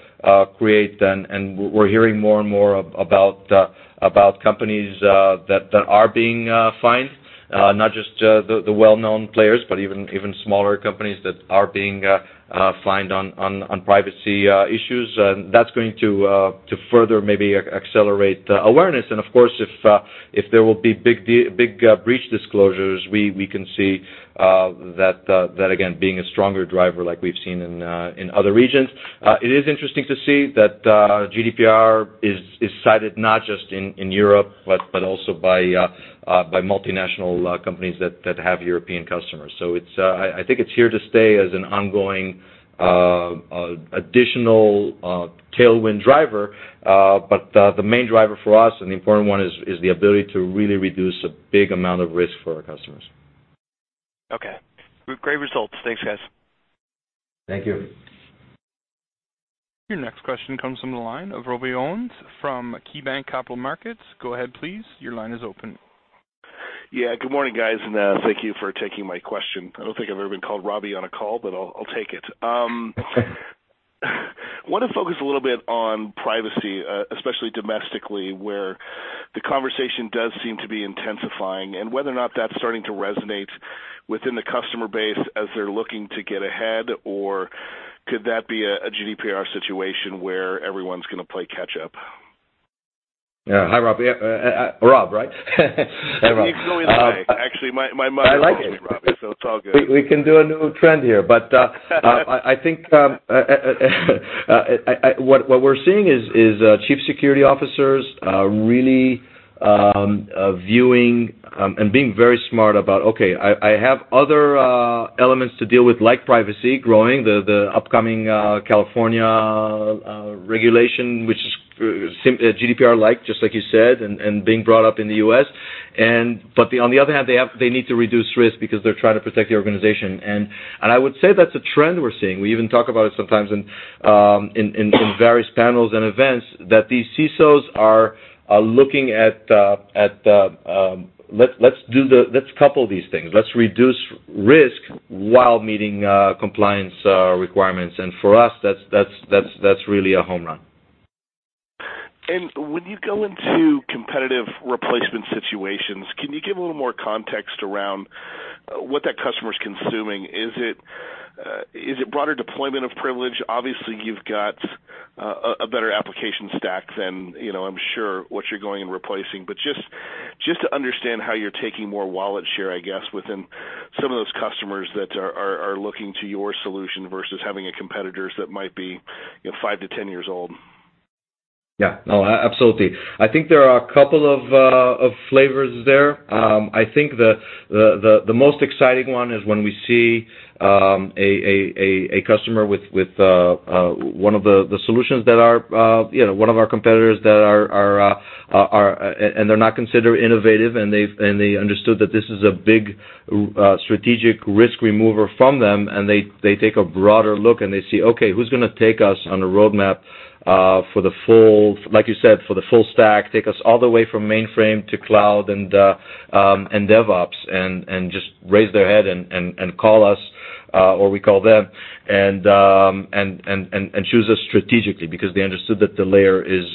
create then, and we're hearing more and more about companies that are being fined, not just the well-known players, but even smaller companies that are being fined on privacy issues. That's going to further maybe accelerate awareness. And of course, if there will be big breach disclosures, we can see that again being a stronger driver like we've seen in other regions. It is interesting to see that GDPR is cited not just in Europe, but also by multinational companies that have European customers. I think it's here to stay as an ongoing additional tailwind driver. The main driver for us and the important one is the ability to really reduce a big amount of risk for our customers. Okay. Great results. Thanks, guys. Thank you. Your next question comes from the line of Rob Owens from KeyBanc Capital Markets. Go ahead, please. Your line is open. Yeah. Good morning, guys, and thank you for taking my question. I don't think I've ever been called Robbie on a call, but I'll take it. Wanted to focus a little bit on privacy, especially domestically, where the conversation does seem to be intensifying and whether or not that's starting to resonate within the customer base as they're looking to get ahead, or could that be a GDPR situation where everyone's going to play catch up? Yeah. Hi, Robbie. Rob, right? Hi, Rob. You can go either way. Actually, my mother calls me Robbie. I like it. It's all good.. We can do a new trend here. I think what we're seeing is chief security officers really viewing and being very smart about, okay, I have other elements to deal with, like privacy growing, the upcoming California regulation, which is GDPR-like, just like you said, and being brought up in the U.S.. On the other hand, they need to reduce risk because they're trying to protect the organization. I would say that's a trend we're seeing. We even talk about it sometimes in various panels and events that these CSOs are looking at, let's couple these things. Let's reduce risk while meeting compliance requirements. For us, that's really a home run. When you go into competitive replacement situations, can you give a little more context around what that customer's consuming? Is it broader deployment of privilege? Obviously, you've got a better application stack than I'm sure what you're going and replacing. Just to understand how you're taking more wallet share, I guess, within some of those customers that are looking to your solution versus having a competitors that might be 5-10 years old. Absolutely. I think there are a couple of flavors there. I think the most exciting one is when we see a customer with one of our competitors that are not considered innovative, and they understood that this is a big strategic risk remover from them. They take a broader look, they see, okay, who's going to take us on a roadmap for the full, like you said, for the full stack? Take us all the way from mainframe to cloud and DevOps, just raise their hand, call us, or we call them, choose us strategically because they understood that the layer is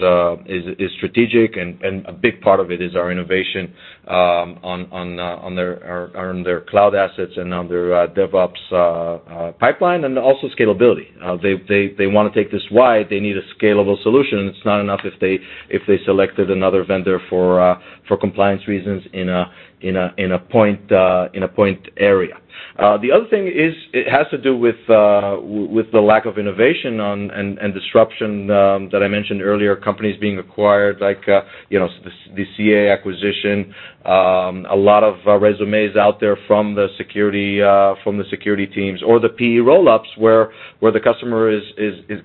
strategic, a big part of it is our innovation on their cloud assets, on their DevOps pipeline, also scalability. They want to take this wide. They need a scalable solution. It's not enough if they selected another vendor for compliance reasons in a point area. The other thing is it has to do with the lack of innovation and disruption that I mentioned earlier, companies being acquired, like the CA acquisition. A lot of resumes out there from the security teams or the PE roll-ups, where the customer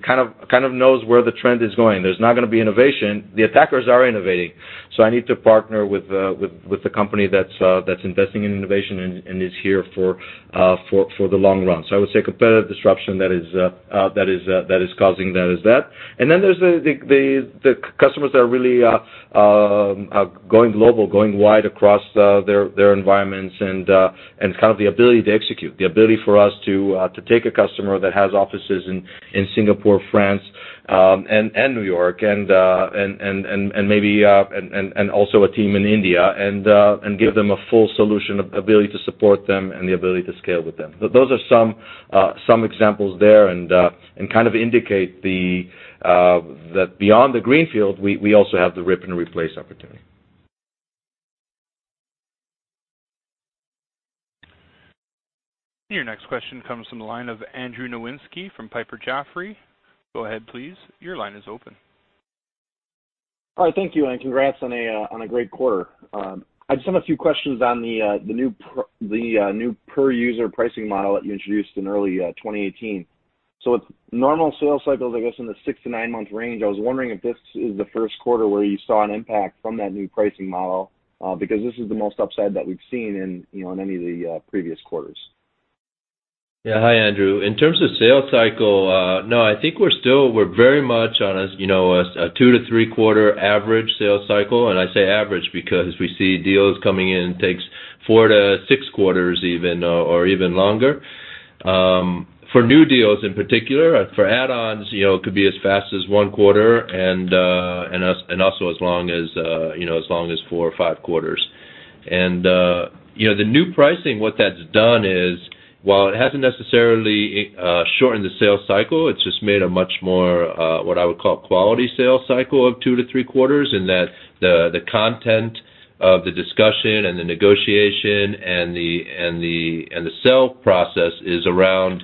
kind of knows where the trend is going. There's not going to be innovation. The attackers are innovating, so I need to partner with the company that's investing in innovation and is here for the long run. I would say competitive disruption that is causing that is that. Then there's the customers that are really going global, going wide across their environments and have the ability to execute. The ability for us to take a customer that has offices in Singapore, France, and New York, and also a team in India, and give them a full solution, ability to support them, and the ability to scale with them. Those are some examples there and kind of indicate that beyond the greenfield, we also have the rip and replace opportunity. Your next question comes from the line of Andrew Nowinski from Piper Jaffray. Go ahead please. Your line is open. All right. Thank you, and congrats on a great quarter. I just have a few questions on the new per user pricing model that you introduced in early 2018. With normal sales cycles, I guess, in the six-to-nine month range, I was wondering if this is the first quarter where you saw an impact from that new pricing model, because this is the most upside that we've seen in any of the previous quarters. Yeah. Hi, Andrew. In terms of sales cycle, no, I think we're very much on a two to three quarter average sales cycle, I say average because we see deals coming in takes four to six quarters or even longer. For new deals in particular. For add-ons, it could be as fast as one quarter and also as long as four or five quarters. The new pricing, what that's done is, while it hasn't necessarily shortened the sales cycle, it's just made a much more, what I would call, quality sales cycle of two to three quarters in that the content of the discussion and the negotiation and the sell process is around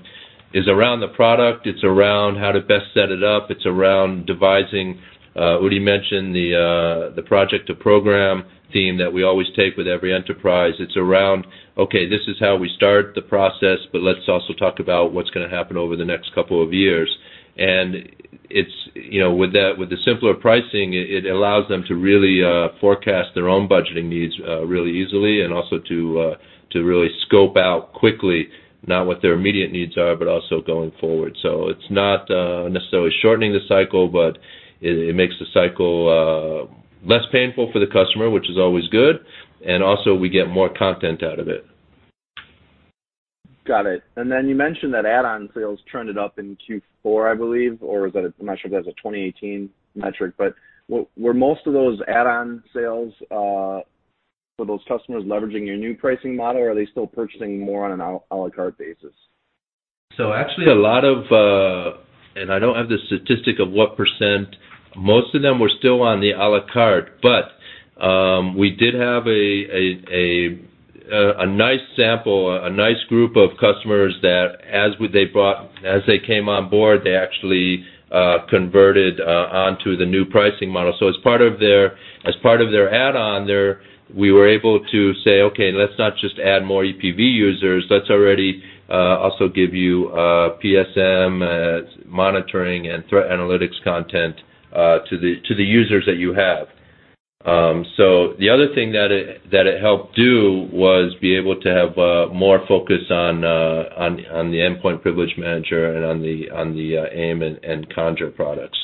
the product, it's around how to best set it up. It's around devising, Udi mentioned the project to program theme that we always take with every enterprise. It's around, okay, this is how we start the process, but let's also talk about what's going to happen over the next couple of years. With the simpler pricing, it allows them to really forecast their own budgeting needs really easily and also to really scope out quickly, not what their immediate needs are, but also going forward. It's not necessarily shortening the cycle, but it makes the cycle less painful for the customer, which is always good. Also we get more content out of it. Got it. You mentioned that add-on sales trended up in Q4, I believe, or I'm not sure if that's a 2018 metric, but were most of those add-on sales for those customers leveraging your new pricing model, or are they still purchasing more on an à la carte basis? Actually, a lot of, and I don't have the statistic of what percent, most of them were still on the à la carte, but, we did have a nice sample, a nice group of customers that as they came on board, they actually converted onto the new pricing model. As part of their add-on there, we were able to say: Okay, let's not just add more EPV users. Let's already also give you PSM monitoring and threat analytics content to the users that you have. The other thing that it helped do was be able to have more focus on the Endpoint Privilege Manager and on the AIM and Conjur products.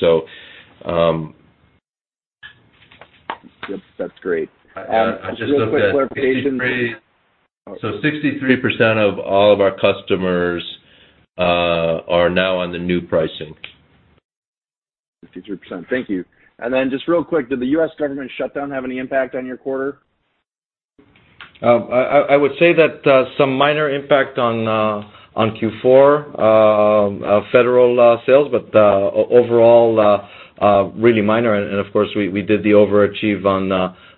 That's great. Just real quick clarification— A 63% of all of our customers are now on the new pricing. A 63%. Thank you. Just real quick, did the U.S. government shutdown have any impact on your quarter? I would say that some minor impact on Q4 federal sales, but overall, really minor, and of course, we did the overachieve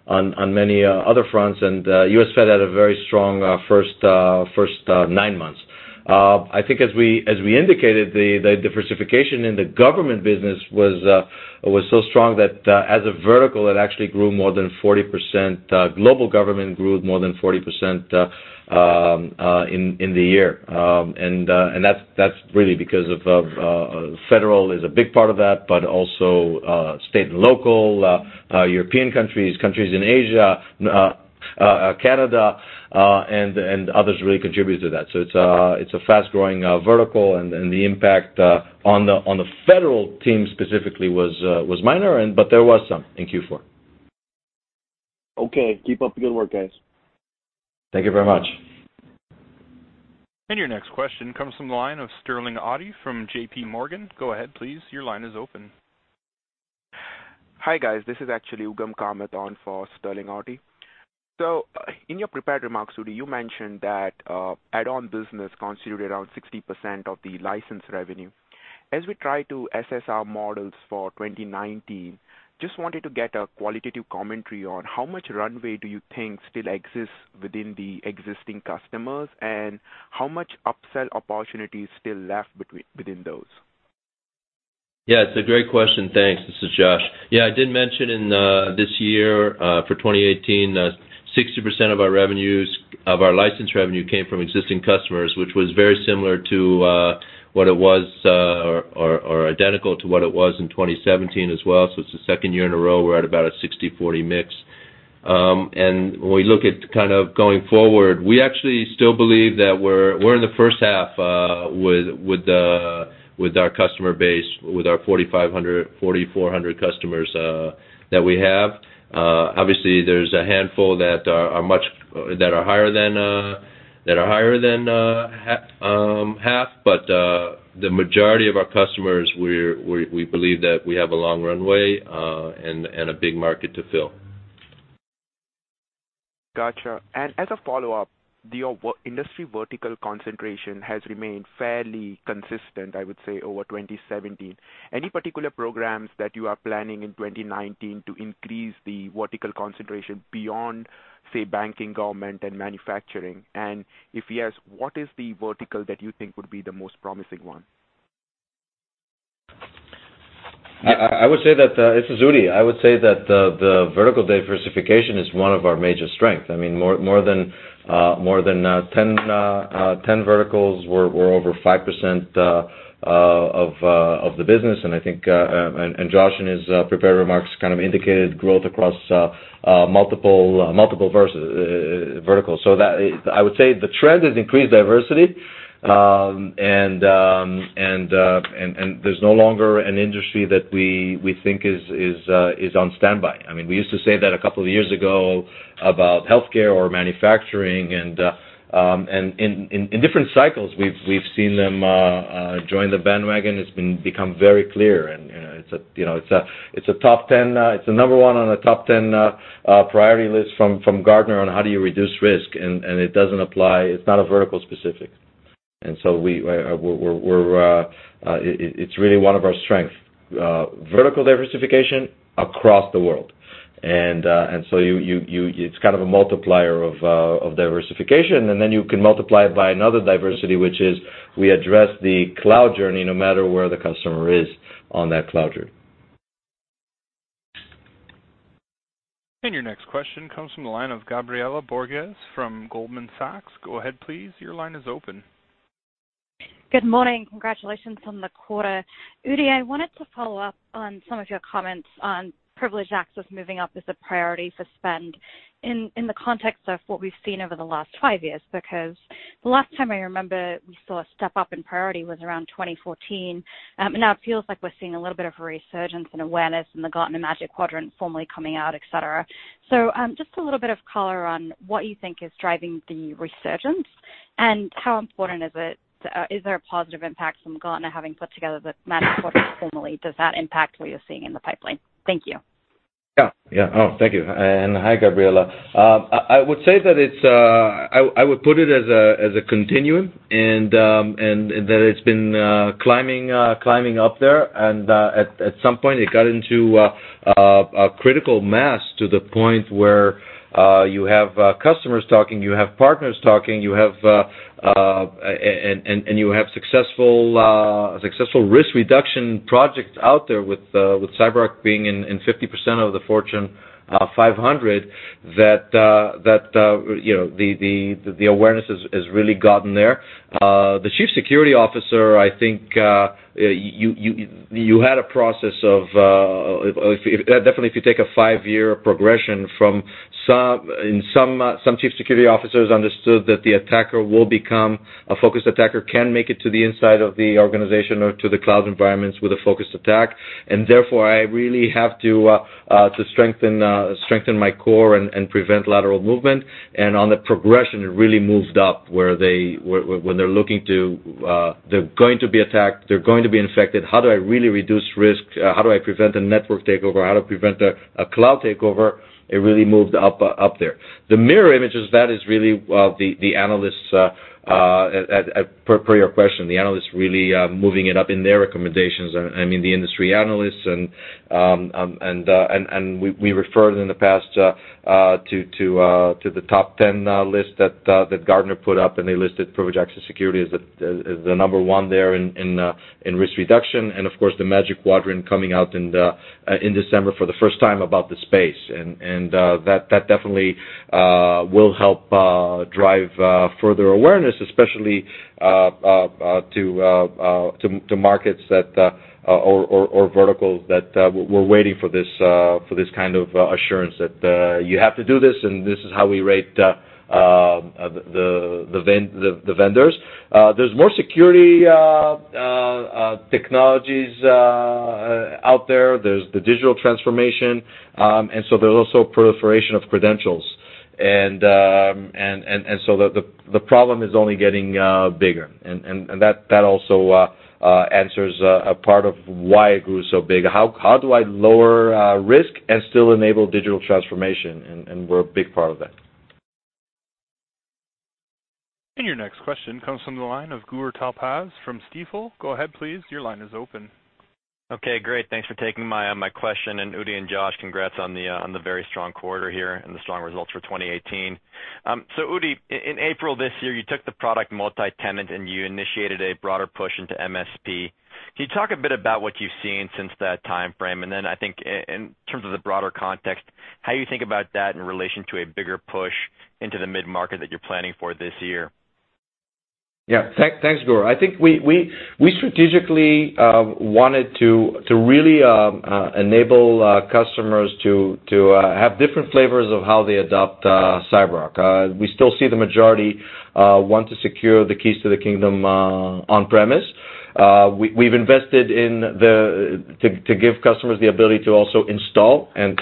on many other fronts, and U.S. Fed had a very strong first nine months. I think as we indicated, the diversification in the government business was so strong that as a vertical, it actually grew more than 40%. Global government grew more than 40% in the year. That's really because of federal is a big part of that, but also state and local, European countries in Asia, Canada, and others really contribute to that. It's a fast-growing vertical, and the impact on the federal team specifically was minor, but there was some in Q4. Okay. Keep up the good work, guys. Thank you very much. Your next question comes from the line of Sterling Auty from JPMorgan. Go ahead please. Your line is open. Hi, guys. This is actually [Ugam Kamat] on for Sterling Auty. In your prepared remarks, Udi, you mentioned that add-on business constituted around 60% of the license revenue. As we try to assess our models for 2019, just wanted to get a qualitative commentary on how much runway do you think still exists within the existing customers, and how much upsell opportunities still left within those? Yeah, it's a great question. Thanks. This is Josh. I did mention in this year, for 2018, 60% of our license revenue came from existing customers, which was very similar to what it was or identical to what it was in 2017 as well. It's the second year in a row we're at about a 60/40 mix. When we look at kind of going forward, we actually still believe that we're in the first half with our customer base, with our 4,500, 4,400 customers that we have. Obviously, there's a handful that are higher than half, but the majority of our customers, we believe that we have a long runway, and a big market to fill. Got you. As a follow-up, your industry vertical concentration has remained fairly consistent, I would say, over 2017. Any particular programs that you are planning in 2019 to increase the vertical concentration beyond, say, banking, government, and manufacturing? If yes, what is the vertical that you think would be the most promising one? I would say that, this is Udi, I would say that the vertical diversification is one of our major strengths. More than 10 verticals were over 5% of the business, I think, Josh in his prepared remarks kind of indicated growth across multiple verticals. I would say the trend is increased diversity. There's no longer an industry that we think is on standby. We used to say that a couple of years ago about healthcare or manufacturing. In different cycles we've seen them join the bandwagon. It's become very clear, it's a number one on a top 10 priority list from Gartner on how do you reduce risk, it doesn't apply, it's not a vertical specific. It's really one of our strengths. Vertical diversification across the world. It's kind of a multiplier of diversification. You can multiply it by another diversity, which is we address the cloud journey no matter where the customer is on that cloud journey. Your next question comes from the line of Gabriela Borges from Goldman Sachs. Go ahead, please. Your line is open. Good morning. Congratulations on the quarter. Udi, I wanted to follow up on some of your comments on Privileged Access moving up as a priority for spend in the context of what we've seen over the last five years, because the last time I remember we saw a step up in priority was around 2014. Now it feels like we're seeing a little bit of a resurgence in awareness in the Gartner Magic Quadrant formally coming out, et cetera. Just a little bit of color on what you think is driving the resurgence and how important is it? Is there a positive impact from Gartner having put together the Magic Quadrant formally? Does that impact what you're seeing in the pipeline? Thank you. Yeah. Thank you. Hi, Gabriela. I would put it as a continuum, and that it's been climbing up there, and at some point it got into a critical mass to the point where you have customers talking, you have partners talking, and you have successful risk reduction projects out there with CyberArk being in 50% of the Fortune 500 that the awareness has really gotten there. The chief security officer, I think, you had a process of Definitely if you take a five-year progression from some chief security officers understood that the attacker will become a focused attacker, can make it to the inside of the organization or to the cloud environments with a focused attack. Therefore, I really have to strengthen my core and prevent lateral movement. On the progression, it really moved up where they're going to be attacked, they're going to be infected. How do I really reduce risk? How do I prevent a network takeover? How do I prevent a cloud takeover? It really moved up there. The mirror image is that is really the analysts, per your question, really moving it up in their recommendations. I mean, the industry analysts and we referred in the past to the top 10 list that Gartner put up, and they Privileged Access Security as the number one there in risk reduction. Of course, the Magic Quadrant coming out in December for the first time about the space. That definitely will help drive further awareness, especially to markets or verticals that were waiting for this kind of assurance that you have to do this and this is how we rate the vendors. There's more security technologies out there. There's the digital transformation, so there's also proliferation of credentials. The problem is only getting bigger. That also answers a part of why it grew so big. How do I lower risk and still enable digital transformation? We're a big part of that. Your next question comes from the line of Gur Talpaz from Stifel. Go ahead please. Your line is open. Okay, great. Thanks for taking my question. Udi and Josh, congrats on the very strong quarter here and the strong results for 2018. Udi, in April this year, you took the product multi-tenant and you initiated a broader push into MSP. Can you talk a bit about what you've seen since that timeframe? I think in terms of the broader context, how you think about that in relation to a bigger push into the mid-market that you're planning for this year? Yeah. Thanks, Gur. I think we strategically wanted to really enable customers to have different flavors of how they adopt CyberArk. We still see the majority want to secure the keys to the kingdom on-premise. We've invested to give customers the ability to also install and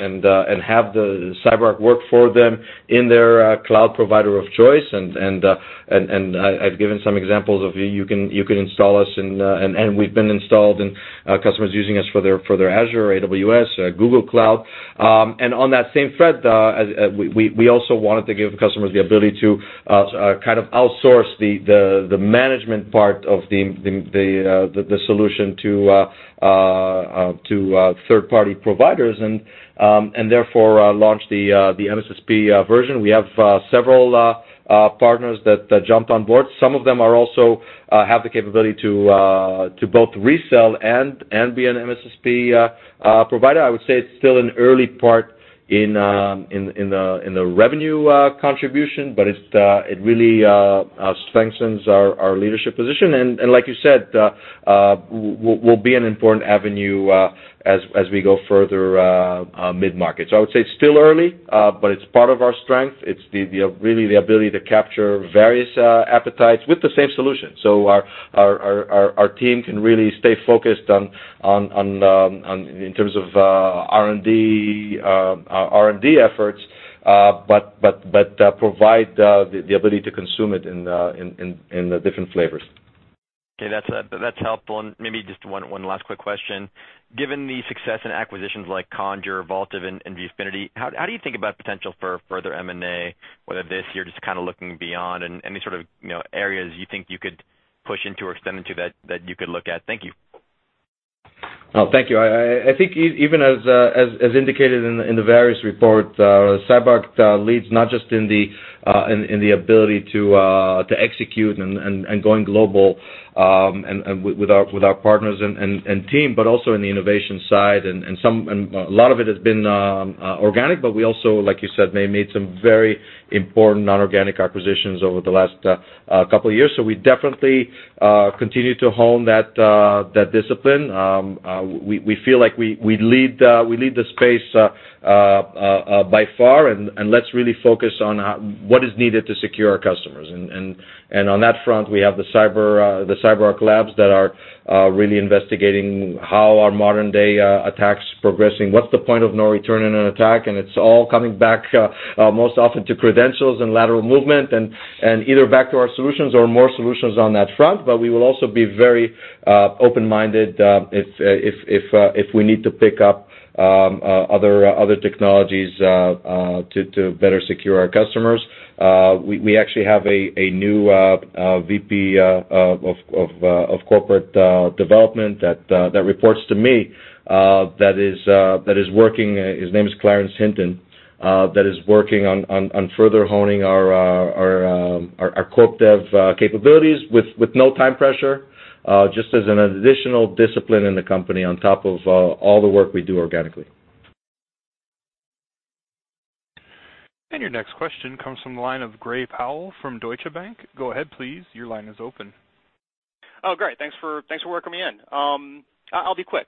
have the CyberArk work for them in their cloud provider of choice. I've given some examples of you can install us and we've been installed and customers using us for their Azure or AWS, Google Cloud. On that same thread, we also wanted to give customers the ability to kind of outsource the management part of the solution to third-party providers and therefore launch the MSSP version. We have several partners that jumped on board. Some of them are also have the capability to both resell and be an MSSP provider. I would say it's still in early part in the revenue contribution, but it really strengthens our leadership position. Like you said, will be an important avenue as we go further mid-market. I would say it's still early, but it's part of our strategy. It's really the ability to capture various appetites with the same solution. Our team can really stay focused in terms of our R&D efforts, but provide the ability to consume it in the different flavors. Okay, that's helpful. Maybe just one last quick question. Given the success in acquisitions like Conjur, Vaultive, and Viewfinity, how do you think about potential for further M&A, whether this year, just looking beyond, and any sort of areas you think you could push into or extend into that you could look at? Thank you. Oh, thank you. I think even as indicated in the various reports, CyberArk leads not just in the ability to execute and going global with our partners and team, but also in the innovation side. A lot of it has been organic, but we also, like you said, may have made some very important non-organic acquisitions over the last couple of years. We definitely continue to hone that discipline. We feel like we lead the space by far, and let's really focus on what is needed to secure our customers. On that front, we have the CyberArk Labs that are really investigating how are modern-day attacks progressing, what's the point of no return in an attack, and it's all coming back most often to credentials and lateral movement, and either back to our solutions or more solutions on that front. We will also be very open-minded if we need to pick up other technologies to better secure our customers. We actually have a new VP of corporate development that reports to me, his name is Clarence Hinton, that is working on further honing our corp dev capabilities with no time pressure, just as an additional discipline in the company on top of all the work we do organically. Your next question comes from the line of Gray Powell from Deutsche Bank. Go ahead, please. Your line is open. Great. Thanks for working me in. I'll be quick.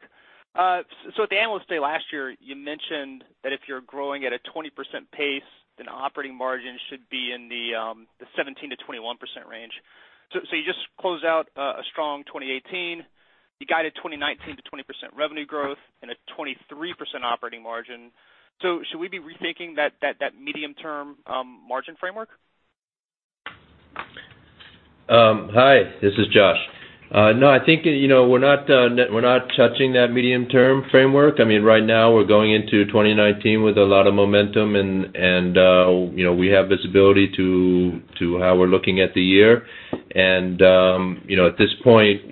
At the Analyst Day last year, you mentioned that if you're growing at a 20% pace, then operating margin should be in the 17%-21% range. You just closed out a strong 2018. You guided 2019 to 20% revenue growth and a 23% operating margin. Should we be rethinking that medium-term margin framework? Hi, this is Josh. No, I think we're not touching that medium-term framework. Right now, we're going into 2019 with a lot of momentum, and we have visibility to how we're looking at the year. At this point,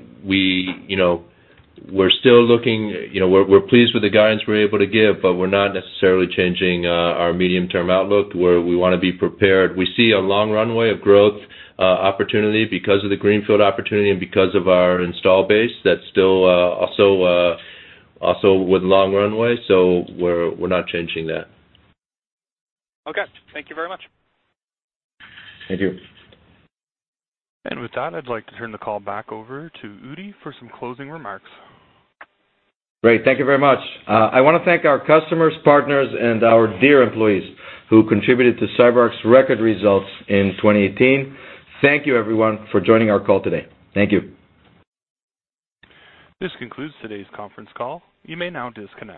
we're pleased with the guidance we're able to give, but we're not necessarily changing our medium-term outlook where we want to be prepared. We see a long runway of growth opportunity because of the greenfield opportunity and because of our install base that's still also with long runway. We're not changing that. Okay. Thank you very much. Thank you. With that, I'd like to turn the call back over to Udi for some closing remarks. Great. Thank you very much. I want to thank our customers, partners, and our dear employees who contributed to CyberArk's record results in 2018. Thank you, everyone, for joining our call today. Thank you. This concludes today's conference call. You may now disconnect.